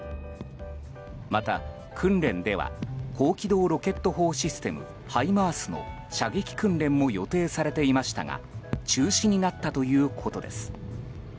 また、訓練では高機動ロケット砲システムハイマースの射撃訓練も予定されていましたが中止になったということです。